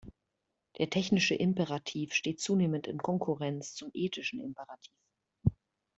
Der technische Imperativ steht zunehmend in Konkurrenz zum ethischen Imperativ.